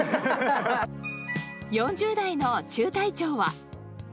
４０代の中隊長は。